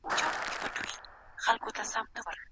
ما دي څڼي تاوولای